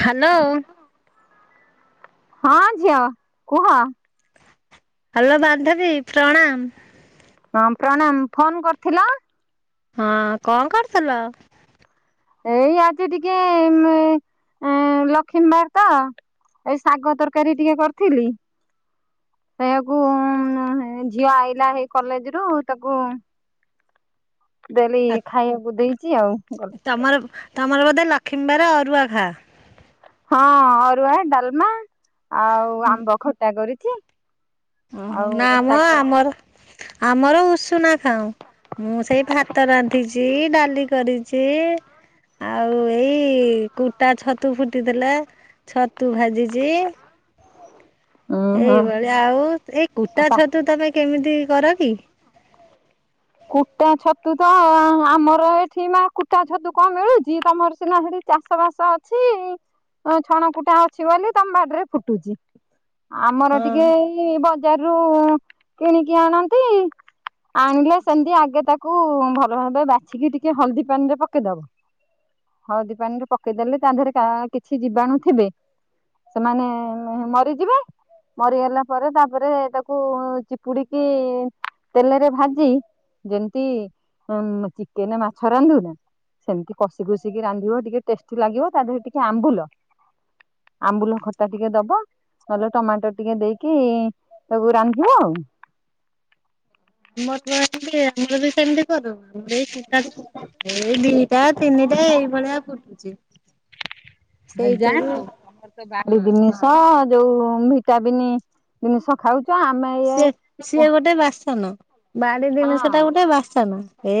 Hello! ହଁ ଝିଅ କୁହ ହାଲୋ! ବାନ୍ଧବୀ ପ୍ରଣାମ। ହଁ ପ୍ରଣାମ! ଫୋନ କରିଥିଲ? ହଁ କଣ କରୁଥୁଲ? ଏଇ ଆଜି ଟିକେ ଲକ୍ଷ୍ମୀ ବାର ତ। ଏଇ ଶାଗ ତରକାରୀ ଟିକେ କରିଥିଲି। ଖାଇଆକୁ ଝିଅ ଆଇଲା ହେଇ କଲେଜ ରୁ ତାକୁ ଦେଲି ଆ ଖାଇବାକୁ ଦେଇଚି ଆଉ। ତମର ତମର ବୋଧେ ଲକ୍ଷ୍ମୀବାର ଅରୁଆ ଖା? ହଁ ଅରୁଆ ଡାଲମା ଆଉ ଆମ୍ବ ଖଟା କରି ଓହୋ ନା ମ ଶାଗ ଆମର ଆମର ଉଷୁନା ଖାଉଁ। ମୁଁ ସେଇ ଭାତ ରାନ୍ଧିଚି ଡାଲି କରିଚି। ଆଉ ଏଇ କୁଟା ଛତୁ ଫୁଟିଥିଲା ଛତୁ ଭାଜିଚି। ଉଁ ହୁଁ ଏଇଭଳିଆ ଆଉ ଏଇ କୁଟା ଆଉ ଛତୁ ତମେ କେମିତି କର କି? କୁଟା ଛତୁ ତ ଆମର ଏଠି ନ କୁଟା ଛତୁ କଣ ମିଳୁଚି ତମର ସିନା ସେଟି ଚାଷ ବାସ ଅଛି ଅ ଛଣ କୁଟା ଅଛି ବୋଲି ତମ ବାଡିରେ ଫୁଟୁଚି। ଆମର ହଁ ଟିକେ ଏଇ ବ ବଜାରରୁ କିଣିକି ଆଣନ୍ତି ସେମିତି ଆଗେ ତାକୁ ଭଲ ଭାରେ ବାଛିକି ଟିକେ ହଳଦୀ ପାଣି ରେ ପକେଇଦବ। ହଳଦୀ ପାଣିରେ ପକେଇଦେଲେ, ତା ଦେହରେ କିଛି ଯିବାଣୁ ଥିବେ ସେମାନେ ମରିଯିବେ। ମରିଗଲା ପରେ, ତାପରେ ତାକୁ ଚିପୁଡିକି ତେଲରେ ଭାଜି ଯେମିତି ଚିକେନ ମାଛ ରାନ୍ଧୁନା ସେମିତି କଷି କୁଷିକି ରାନ୍ଧିବ ଟିକେ ଟେଷ୍ଟି ଲାଗିବ, ତା ଦେହରେ ଟିକେ ଆମ୍ବୁଲ ଆମ୍ବୁଲ ଖଟା ଟିକେ ଦବ। ନହେଲେ ଟମାଟୋ ଟିକେ ଦେଇକି ତାକୁ ରାନ୍ଧିବ ଆଉ। ଆମର ତ ଏନତି ଆମର ବି ସେମିତି କରୁ। ଏଇଟା ଏଇ ଦିଟା ତିନିଟା ଏଇଭଳିଆ ଫୁଟୁଛି। ଆ ଯାଉ ସେଇଥିରୁ ତମର ତ ବାଡି ସେ ଦିନିସ ଯୋଉ ଭିଟାବିିନି ଦିନିସ ଖାଉଛ ଆମେ ଇଏ ସିଏ ସିଏ ଗୋଟେ ବାସନ ବାଡି ତା ଜିନିଷଟା ଗୋଟେ ବାସନ ହେ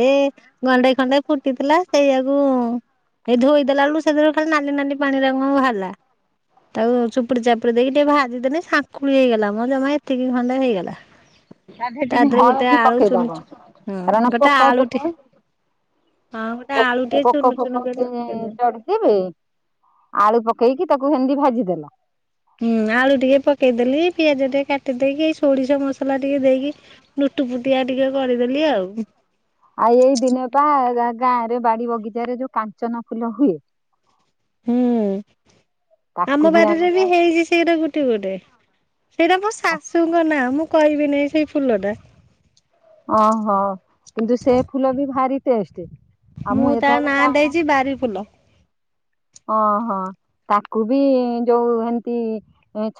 ଗଣ୍ଡେ ଥଣ୍ଡେ ଫୁଟିଥିଲା ସେଇଆକୁ ଏଇ ଧୋଇ ଦେଲା ବେଳକୁ ସେଥିରେ ଖାଲି ନାଲି ନାଲି ପାଣିରେ କଣ ବାହାରିଲା। ତାକୁ ଚୁପୁଡ଼ି ଚାପୁଡ଼ି ଦେଇକି ଟିକେ ଭାଜିଦେଲେ ସାଙ୍କୁୁଳି ହେଇଗଲା ମ ଜମା ଏତିକି ଖଣ୍ଡେ ହେଇଗଲା। ତା ଦେହରେ ଟିକେ ଗୋଟେ ହଳଦୀ ଆଳୁ ଚୁନୁ ପକେଇଦବ ଚୁ ହଁ କାରଣ ଗୋଟେ ପୋକ ଆଳୁଟେ ଯୋକ ହଁ ଗୋଟେ ପୋ ଆଳୁ ଟିକେ ପୋକ ଚୁନୁ ଚୁନୁ ଫୋକ କରି ପକେଇଦେଲି। ଚଢିଥିବେ ଆଳୁ ପ ହେଇତି ତାକୁ ଶେନ୍ତି ଭାଜିଦେଲ। ହୁଁ ଆଳୁ ଟିକେ ପକେଇଦେଲି ପିଆଜ ଟିକେ କାଟିଦେଇକି ସୋଡିଷ ମସଲା ଟିକେ ଦେଇକି ପୁଟୁ ପୁଟିଆ ଟିକେ କରିଦେଲି ଆଉ। ଆଉ ଏଇ ଦିନ ପା ଗାଁ ରେ ବାଡି ବଗିଚାରେ ଯୋଉ କାଞ୍ଚନ ଫୁଲ ହୁଏ ହୁଁ ତାକୁ ଆମ ବାରିରେ ଆଣିକି ବି ହେଇଛି ସେଇଟା ଗୋଟେ ଗୋଟେ। ସେଇଟା ମୋ ଶାଶୁଙ୍କ ନାଁ, ମୁଁ କହିବି ନାହିଁ ସେଇ ଫୁଲ ଟା ଓ ହୋ କିନ୍ତୁ ସେ ଫୁଲ ବି ଭାରିି ଟେଷ୍ଟ। ମୁଁ ତା ନାଁ [unintelligible] ଦେଇଛି ବାରି ଫୁଲ। ଓ ହୋ। ତାକୁ ବି ଯୋଉ ଏମିତି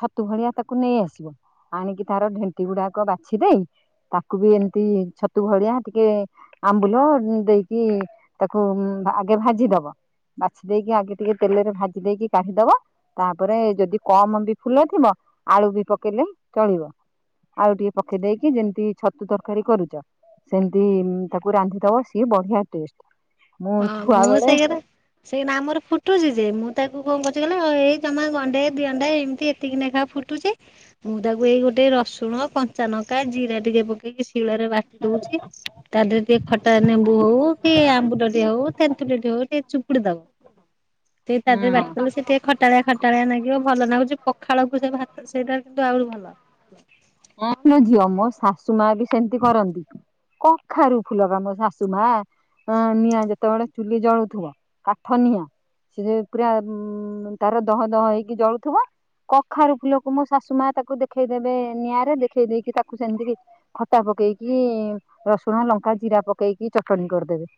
ଛତୁ ଭଳିଆ ତାକୁ ନେଇ ଆସିବେ। ଆଣିକି ତାର ଢେଣ୍ଟି ଗୁଡାକ ବାଛି ଦେଇ ତାକୁ ବି ଏମିତି ଛତୁ ଭଳିଆ ଟିକେ ଆମ୍ବୁଲ ଦେଇକି ତାକୁ ଆଗେ ଭାଜିଦବ ବାଛି ଦେଇେଇକି ଆଗେ ଟିକେ ତେଲରେ ଭାଜି ଦେଇକି କାଢିଦବ ତାପରେ ଯଦି କମ ବି ଫୁଲ ଥିବ ଆଳୁ ବି ପକେଇ ଚଳିବ ଆଉ ଟିକେ ପକେଇ ଦେଇକି ଯେମିତି ଛତୁ ତରକାରୀ କରୁଚ ସେମିତି ତାକୁ ରାନ୍ଧିଦବ ସିଏ ବଢିଆ ଟେଷ୍ଟ। ମୁଁ ହଁ ଛୁଆ ମୁଁ ବେଳେ ସେଇରେ ସେ ଏଇନା ଆମର ଫୁ ଫୁଟୁଛି ଯେ ମୁଁ ତାକୁ କଣ କରୁଛି କହିଲ, ଏଇ ଜମା ଗଣ୍ଡେ ଦି ଅଣ୍ଡେ ଏମିତି ଏତିକି ନେଖା ଫୁଟୁଛି। ମୁଁ ତାକୁ ଏଇ ଗୋଟେ ରସୁଣ କଞ୍ଚାାନଙ୍କା ଜିରା ଟିକେ ପକେଇକି ଶୀଳରେ ବାଟି ଦଉଛି ତା ଦେହରେ ଟିକେ ଖଟା ନେମ୍ବୁ ହଉ କି ଆମ୍ବୁ [unintelligible] ହଉ ତେନ୍ତୁଲିଟେ ହଉ ଟିକେ ଚିପୁଡି ଦବ। ଟିକ ତା ଦେହରେ ବାଟି ହଁ ଦେଥିଲୁ ସେ ଟିକେ ଖଟାଳିଆ ଖଟାଳିଆ ଲାଗିବ ଭଲ ଲାଗୁଛି ପଖାଳକୁ ସେ ଭାତ ସେଇଟା ଆ ଭଲ। ହଁ ଲୋ ଝିଅ ମୋ ଶାଶୁ ମା ବି ସେମିତି କରନ୍ତି। କଖାରୁ ଫୁଲ ବା ମୋ ଶାଶୁ ମା ଅ ନିଆଁ ଯେତେବେଳେ ଚୁଲି ଜଳୁଥିବ କାଠ ନିଆଁ ସେ ପୁରା ଉଁ-ଉ-ଉ ତାର ଦହ ଦହ ହେଇକି ଜଳୁଥିବ। କଖାରୁ ଫୁଲକୁ ମୋ ଶାଶୁ ମା ତାକୁ ଦେଖେଇଦେବେ ନିଆଁ ଦେଖେଇ ଦେଇକି ତାକୁ ସେମିତିି ଖଟା ପକେଇକି ରସୁଣ, ଲଙ୍କା, ଜିରା ପକେଇକି ଚଟଣି କରଦେବେ।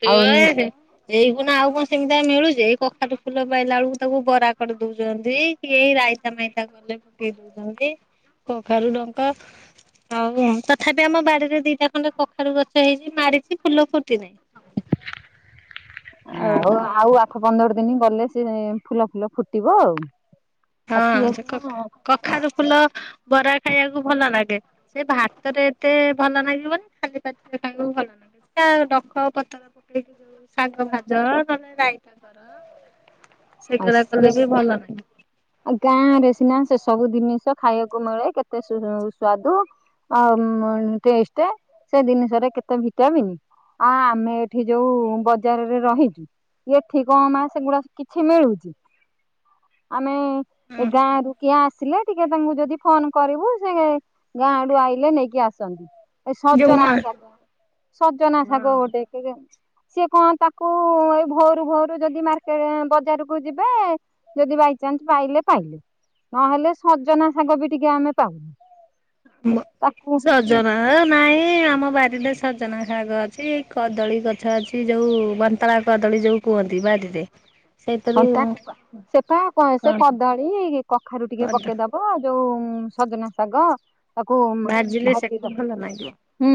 [unintelligible] ଏଇଗୁନା ଆଉ କଣ ସେମିତି ଆଉ ମିଳୁଚି ଏଇ କଖାରୁ ଫୁଲ ପାଇଲା ବେଳକୁ ତାକୁ ବରା କରି ଦଉଚନ୍ତି କି ରାଇତା ମାଇତା କଲେ ଯେ ପକେଇ ଦଉଚନ୍ତି କଖାରୁ ଡଙ୍କ। ହଉ ତଥାପି ଆମ ବାଡିରେ ଦିଟା ଖଣ୍ଡେ କଖାରୁୁ ଗଛ ହେଇଛି ମାରିଛି ଫୁଲ ଫୁଟି ନାହିଁ। ଆଉ ଆଉ ଆଠ ପନ୍ଦର ଦିନ ଗଲେ ସେ ଫୁଲ ଫୁଲ ଫୁଟିବ ଆଉ। ହଁ ଆଉ ସିଏ ସେ କଖାର ଫୁଲ ବରା ଖାଇବାକୁ ଭଲ ଲାଗେ। ସେ ଭାତରେ ଏତେ ଭଲ ଲାଗିବନ ଖାଲି ପାତିରେ ଖାଇବାକୁ ଭଲ ଲାଗିବ ସେ ଡଖ ପତ୍ର ଏ ଯୋଉ ଶାଗ ଭାଜ ନମେ ରାଇତା କର। [inaudible] ସେଗା କଲେ ବି ଭଲ ନାହିଁ। ଆ ଗାଁ ରେ ସିନା ସେ ସବୁ ଜିନିଷ ଖାଇବାକୁ ମିଳେ କେତେ ସାଦୁ। ଆ ଟେ ସେ ଜିନିଷରେ କେତେ ଭିଟାମିନ୍। ଆ ଆମେ ଏଠି ଯୋଉ ବଜାରରେ ରହିଛୁ। ଇଏଠି କ ମ ସେଗୁଡା କିଛି ମିଳୁଛି। ଆମେ ଏ ଗାଁ ରୁ କିଏ ଆସିଲେ ଟିକେ ତାଙ୍କୁ ଯଦି ଫୋନ କରିବୁ ସେ ଗାଁ ରୁ ଆ ନେଇକି ଆସନ୍ତି, ଏ ଯୋଉ ମ ସଜନା ଶାଗ ସଜନା ଶାଗ ଗୋଟେ। ହଁ ସିଏ କଣ ତାକୁ ଏଇ ଭୋରୁ ଭୋରୁ ଯଦି ମାର୍କେଟ ବଜାରକୁ ଯିବେ ଯଦି ଭାଇ ପାଇଲେ ପାଇଲେ ନହେଲେ ସଜନା ଶାଗ ବି ଟିକେ ଆମେ ପାଉନୁ। ତାକୁ ସଜନା ନାଇଁ। ଏ ଆମ ବାରରେ ସଜନା ଶାଗ ଅଛି, କଦଳୀ ଗଛ ଅଛି ଯୋଉ ବନ୍ତଳା କଦଳୀ ଯୋଉ କୁଆନ୍ତି ବାଜିରେ। ହ ତା ସେପା କ ସେ କଦଳୀ କଖାରୁ ଟିକେ କଣ ପକେଇଦବା ଯୋଉ ସଜନା ଶାଗ ତାକୁ ଭାଜିଲେ ଭାଜିର ସେକୁ ଭଲ ଲାଗିବ ହୁଁ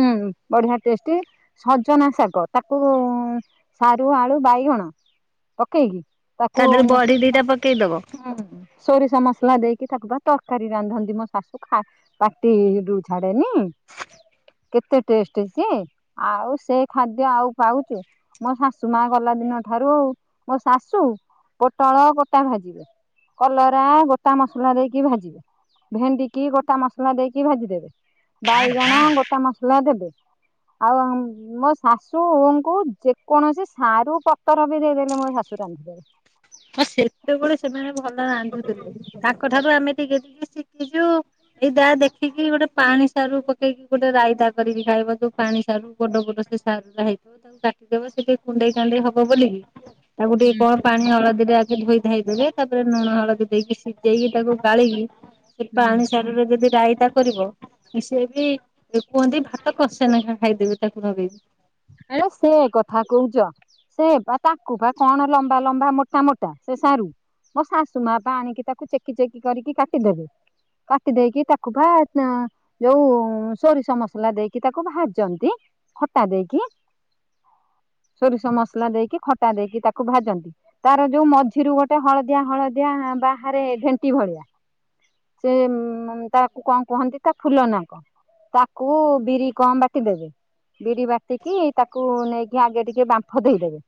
ବଢିଆ ଟେଷ୍ଟି ସଜନା ଶାଗ ତାକୁ ସାରୁ ଆଳୁ ବାଇଗଣ। ପକେଇକି ତା ତାକୁଁ ଦେହରେ ବଢି ଦିଟା ପକେଇଦବ ସୋରିଷ ମସଲା ଦେଇକି ତାକୁ ତରକାରୀ ରାନ୍ଧନ୍ତି ମୋ ଶାଶୁା ପାଟିରୁୁ ଛାଡେନି। କେତେ ଟେଷ୍ଟ ସି ଆଉ ସେ ଖାଦ୍ୟ ଆଉ ପାଉଛୁ ମୋ ଶାଶୁ ମା ଗଲେ। ପ ଦିନ ଠାରୁ ମୋ ଶାଶୁ। ପୋଟଳ ଗୋଟା ଭାଜିବେ କଲରା ଗୋଟା ମସଲା ଦେଇକି ଭାଜିବେ। ଭେଣ୍ଡି କି ଗୋଟା ମସଲା ଦେଇକି ଭାଜି ଦେବେ, ବାଇ ଜଣ ଗୋଟା ମସଲା ଦେବେ । ଆଉ ମୋ ଶାଶୁଙ୍କୁ ଯେକୌଣସି ସାରୁ ପତର ବି ଦେଇଦେଲେ, ମୋ ଶାଶୁ। ରାନ୍ଧିଦେବେ। ହଁ ସେତେବେଳେ ସେମାନେ ଭଲ ରାନ୍ଧୁଥିଲେ, ତାଙ୍କ ଠାରୁ ଆମେ ଟିକେ ଟିକେ। ଶିଖିଛୁ। [inaudible] ଏଇ ଯାହା ଦେଖିକି ଗୋଟେ ପାଣି ସାରୁ ପକେଇକି ଗୋଟେ ରାଇତା କରିକି ଖାଇବ ଯୋଉ ପାଣି ସାରୁ ଗୋଡ ଗୋଡ ସ ହେଇଥିବ ତାକୁ କାଟିଦବ ସେ ଟିକେ କୁଣ୍ଡେଇ କାଣ୍ଡେଇ ହବ, ବୋଲି ତାକୁ ଟିକେ ହୁଁ କଣ ପାଣି ଅଳଗା । ଆଗ ଧୋଇ ଧୋଇଦେବେ ତାପରେ ଲୁଣ ହଳଦି ଦେଇକି ସିଝେଇକି ତାକୁ ଗାଳିକି ହୁଁ। ପାଣି ସାରୀରେ ଯଦି ରାଇତା କରିବ ସିଏ ବି କୁହନ୍ତି। ଭାତ କସେନ ଖାଇଦେବି ତାକୁ ନଗେଇକି। ଆରେ ସେ କଥା କହୁଛ ସେ ବା ତାଙ୍କୁ ବା କଣ ଲମ୍ବା ଲମ୍ବା ମୋଟା ମୋଟା ସେ ସାରୁ ମୋ ଶାଶୁ ମା ପା ଆଣିକି ତାକୁ ଚେକି ଚେକି କରିକି କାଟିଦେବେ। କାଟି ଦେଇେଇକି ତାକୁ ବା ଯୋଉ ସୋରିଷ ମସଲା ଦେଇକି ତାକୁ ଭାଜନ୍ତି, ଖଟା ଦେଇକି। ସୋରିଷ ମସଲା ଦେଇକି ଖଟା ଦେଇକି ତାକୁ ଭାଜନ୍ତି ତାର ଯୋଉ ମଝିରୁ ଗୋଟେ ହଳଦିଆ ହଳଦିଆ। ଆ ବାହାରେ ଘେଣ୍ଟି ଭଳିଆ। ସେ ଉଁ ତାକୁ କଣ କୁହନ୍ତି ତା ଫୁଲ ନାକ। ତାକୁ ବିରି କଣ ବାଟି ଦେବେ ବିରି ବାଟିକି ତାକୁ ନେଇକି ଆଗେ ଟିକେ ବାମ୍ଫ ଦେଇଦେବେ।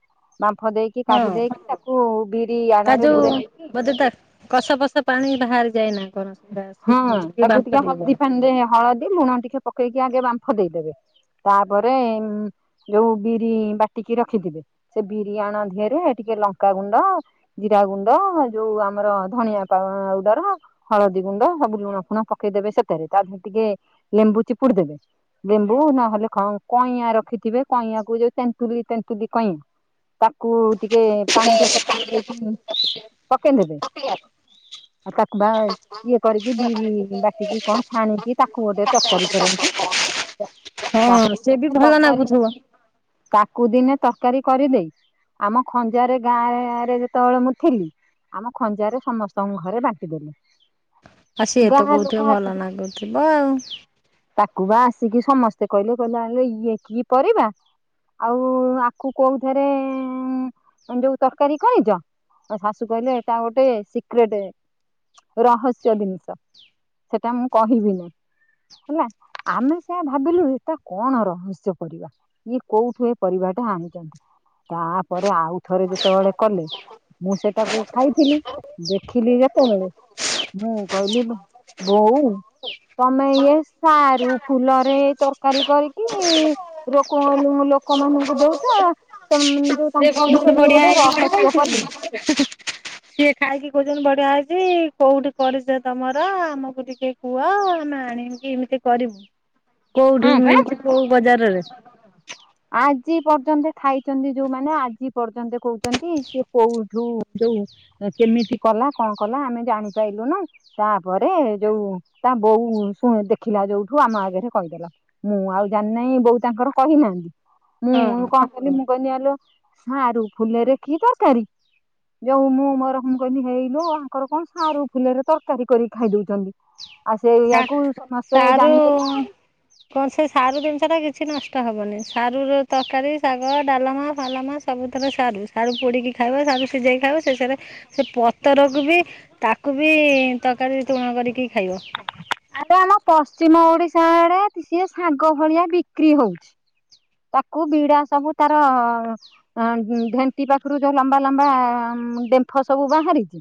ବାମ୍ଫ ଦେଇକି କାଢି ହଁ। ଦେଇକି ତାକୁ ବିରି ତା ଆଣରେ ଯୋଉ ବୁଡେଇ ଦେଇକି ବୋଧେ ତା କଷା ଫସା ପାଣି ବାହାରି ଯାଏନି ହଁ ତାକୁ ଟିକେ ହଳଦୀ ଫାନିରେ ହଳଦୀ, ଲୁଣ ଟିକେ ପକେଇକି ଆଗେ ବାମ୍ଫ ଦେଇଦେବେ। ତାପରେ ଯୋଉ ବିରି ବାଟିକି ରଖିଥିବେ, ସେ ବିରି ଆଣ ଦିଅରେ ଟିକେ ଲଙ୍କାଗୁଣ୍ଡ ଜିରା ଗୁଣ୍ଡ ଯୋଉ ଆମର ଧଣିଆ ପାଉଡର ହଳଦୀ ଗୁଣ୍ଡ ସବୁ ଲୁଣ ଫୁଣ ପକେଇଦେବେ ସେଥିରେ ତା ଦେହରେ ଟିକେ ଲେମ୍ବୁ ଚିପୁଡ଼ି ଦେବେ। ଲେମ୍ବୁ ନହେଲେ କଣ କଇଁଆ ରଖିଥିବେ କଇଁଆକୁ ଯୋଉ ତେନ୍ତୁଲି ତେନ୍ତୁଲି କଇଁ ତାକୁ ଟିକେ ପାଣିରେ ଚକଡି ଦେଇଥିଲେ ପକେ ଦେବେ ଆଉ ତାକୁ ବା ଇଏ କରିକି ବିରି ବାଟିକି କଣ ଛାଣିକି ତାକୁ ଗୋଟେ ତରକାରୀ କରନ୍ତି। ହଁ ତାକୁ ସେ ବି ଦିନେ ଭଲ ତରକାରୀ ଲାଗୁଥିବ ତାକୁ ଦିନେ ତରକାରୀ କରିଦେଇ ଆମ ଖଞ୍ଜାରେ ଗାଁରେ ଯେତେବେଳେ ମୁଁ ଥିଲି ଆମ ଖଞ୍ଜାରେ ସମସ୍ତଙ୍କ ଘରେ ବାଣ୍ଟି ଦେଲେ। ଆଉ ସିଏ ତ ଗାଁ ଲୋକ କହୁଥିବ ଭଲ ଆସିକି ନାଗୁଥିବ ଆଉ କୁବା ଆସିକି ସମସ୍ତେ କହିଲେ କାହିଲେ ଆଲୋ ଇଏ କି ପରିବା? ଆଉ ଆକୁ କୋଉଥେରେ ଯୋଉ ତରକାରୀ କରିଚ? ଆ ଶାଶୁ କହିଲେ ଏଇଟା ଗୋଟେ ସିକ୍ରେଟେ ରହସ୍ୟ ଜିନିଷ ସେଟା ମୁଁ କହିବି ନାହିଁ। ହେଲା ଆମେ ସେୟା ଭାବିଲୁ ଏଟା କଣ ରହସ୍ୟ ପରିବା ଇଏ କୋଉଠୁ ଏ ପରିବା। ହାଣିଛନ୍ତି ତାପରେ ଆଉ ଥରେ ଯେତେବେଳେ କଲେ। ମୁଁ ସେଟାକୁ ଖାଇଥିଲି ଦେଖିଲି ଯେତେବେଳେ। ମୁଁ କହିଲି ବୋଉ। ତମେ ଇଏ ସାରୁ ଫୁଲରେ ତରକାରୀ କରିକି ରୋକ। ଲୋକ ମାନଙ୍କୁ ଦଉଛ ସେ। ସେ କଣ ବହୁତ ବଢିଆ ହେଇ ସିଏ ଖାଇକି। ଭୋଜନ ବଢିଆ ହେଇଛି କୋଉଠି କରିଛ ତମର ଆମକୁ ଟିକେ। ପୁଅ ନା ଆଣିବି ଏମିତି କରିବୁ। ହଁ କୋଉଠି ପା ମିଳୁଛି କୋଉ ବଜାରରେ। ଆଜି ପର୍ଯ୍ୟନ୍ତ ଖାଇଛନ୍ତି ଯୋଉମାନୋନ ଆଜି ପର୍ଯ୍ୟନ୍ତ କହୁଛନ୍ତି ସେ କୋଉଠୁ ଯୋଉ। କେମିତି କଲା କଣ କଲା ଆମେ ଜାଣିପାଇଲୁନୁ ତାପରେ ଯୋଉ ତା ବୋଉ ଉଁ ଦେଖିଲା ଯୋଉଠୁ ଆମ ଆଗରେ କହିଦେଲା। ମୁଁ ଆଉ ଜାଣିନାହିଁ ବୋହୁ ତାଙ୍କର କହିନାହାନ୍ତି ମୁଁ ମୁଁ ହଁ। କଣ କରିଚି [unintelligible] ସାରୁ ଫୁଲରେ କି ତରକାରୀ ଯୋଉ ମୁଁ ମୋର ମୁଁ କହିଲି ହେଇଲୁ ଆଙ୍କର କଣ ସାରୁ ଫୁଲରେ ତରକାରୀ କରିକି ଖାଇ ଦଉଚନ୍ତି? ଆଉ ସେ ସା ଇଆକୁ ସମସ୍ତେ ଜାଣିଦେଲେ ସାରୁ ଆଉ। କଣ ସେ ସାରୁ ଜିନିଷ ଟା କିଛି ନା ନଷ୍ଟ ହବନି ସାରୁ ର ତରକାରୀ ଶାଗ ଡାଲମା ଫାଲମା ସବୁଥରେ ସାରୁ ସାରୁ ପୋଡିକି ଖାଇବ। [unintelligible] ସାରୁ ସିଝେଇ ଖାଉ ଶେଷରେ ସେ ପତରକୁ ବି ତାକୁ ବି ତରକାରୀ ତୁଣ କରିକି କି ଖାଇବ। ଆରେ ଆମ ପଶ୍ଚିମ ଓଡିଶା ରେ ସିଏ ଶାଗ ଭଳିଆ ବିକ୍ରି ହଉଛି। ତାକୁ ବିଡା ସବୁ ତାର ଢେଣ୍ଟି ପାଖରୁ ଯୋଉ ଲମ୍ବା ଲମ୍ବା ଡେମ୍ଫ ସବୁ ବାହାରିଚି।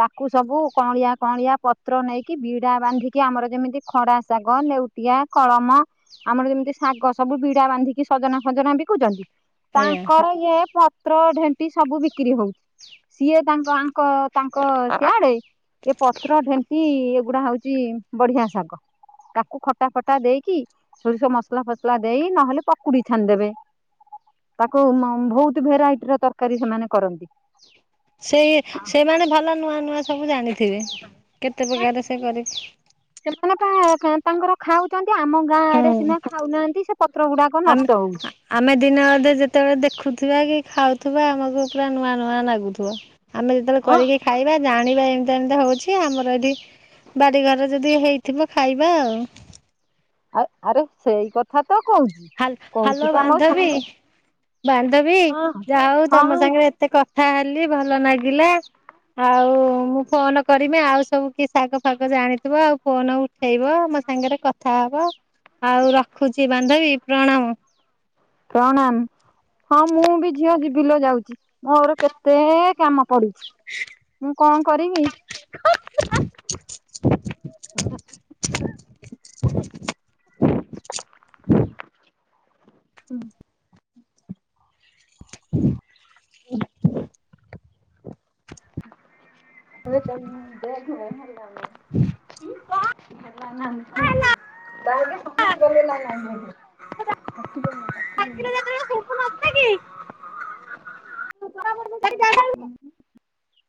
ତାକୁ ସବୁ କଳିଆ କଳିଆ ପତ୍ର ନେଇକି ବିଡା ବାନ୍ଧିକି ଆମର ଯେମିତି ଖଡା ଶାଗ ନେଉ ତୁତିଆ କଳମ ଆମର ଯେମିତି ଶାଗ ସବୁ ବିଡା ବାନ୍ଧିଛି। ଖଜନା ଖଜନା ବିକୁଚନ୍ତି ଆଜ୍ଞା ତାଙ୍କର ଇଏ ପତ୍ର ଢେଣ୍ଟି ସବୁ ବିକ୍ରି ହଉଚି। ସିଏ ତାଙ୍କ ଆଙ୍କ ତାଙ୍କ ସେଆଡେ ଏ ପତ୍ର ଢେଣ୍ଟି ଏଗୁଡା ହଉଛି ବଢିଆ ଶାଗ ତାକୁ ଖଟା ଫଟା ଦେଇକି ସୋରିଷ ମସଲା ଫସଲା ଦେଇ ନହେଲେ ପକୁଡି ଥାନ ଦେବେ ତାକୁ ବହୁତ ଭେରାଇଟି ର ତରକାରୀ ସେମାନେ କରନ୍ତି ସେଇ ସେମାନେ ଭଲ ନୂଆ ନୂଆ ସବୁ ଜାଣିଥିବେ କେତେ ପ୍ରକାର ସେ କରିଛି ସେମାନେ ତାଙ୍କର ଖାଉଛନ୍ତି ଆମ ଗାଁ ଆଡେ ହୁଁ ସିନା ଖାଉନାହାନ୍ତି ସେ ପତ୍ର ଗୁଡାଙ୍କ ଆମେ ନଷ୍ଟ ହଉ ଥିବା କି ଖାଉଥିବା ଆମକୁ ପୁରା ନୂଆ ନୂଆ ଲାଗୁଥିବ ଆମେ ଯେତେବେଳେ ହଁ। କରିକି ଖାଇବା ଜାଣିବା ଏମିତି ଏମିତି ହଉଛି ଆମର ଏଠି ବାଡିଘର ଯଦି ହେଇଥିବ ଖାଇବା ଆଉ ଆଉ ଆରେ ସେଇ କଥା ତ କହୁଛି ହାଲ୍ ହାଲୋ କହୁଛି ବା ମୋ ବାନ୍ଧବୀ ଶାଶୁ ବାନ୍ଧବୀ ହଁ ଯାହଉ ତମ ହଁ ସାଙ୍ଗରେ ଏତେ କଥା ହେଲି ଭଲ ଲାଗିଲା ଆଉ ମୁଁ ଫୋନ କରମି ଆଉ ସବୁ କି ଶାଗ ଫାଗ ଜାଣିଥିବ ଆଉ ଫୋନ ଉଠେଇବ ମ ସାଙ୍ଗରେ କଥା ହବ ଆଉ ରଖୁଛି ବାନ୍ଧବୀ ପ୍ରଣାମ ପ୍ରଣାମ ହଁ ମୁଁ ବି ଝିଅ ବି ବିଲ ଯାଉଛି ମୋର କେତେ କାମ ପଡିୁଛି ମୁଁ କଣ କରିବି ହୁଁ ଏବେ କ ଦେ ଘମଲା ହେଲା ତାଲେ ନାଇ